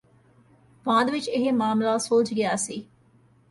ਬਾਅਦ ਵਿਚ ਇਹ ਮਾਮਲਾ ਸੁਲਝ ਗਿਆ ਸੀ